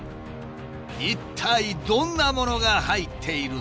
一体どんなものが入っているのか？